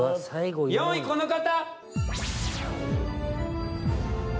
４位この方！